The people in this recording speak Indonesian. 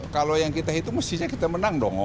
kalau yang kita hitung mestinya kita menang dong